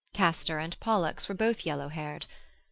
Castor and Pollux were both yellow haired.